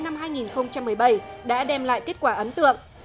năm hai nghìn một mươi bảy đã đem lại kết quả ấn tượng